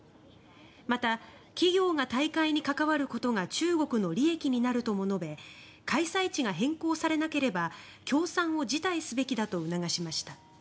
また、企業が大会に関わることが中国の利益になるとも述べ開催地が変更されなければ協賛を辞退すべきだと促しました。